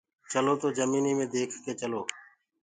چلو تو جميني مي ديک ڪي چلو